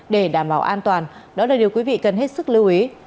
để đảm bảo an toàn đó là điều quý vị cần hết sức lưu ý